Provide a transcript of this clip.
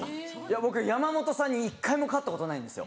僕山本さんに１回も勝ったことないんですよ。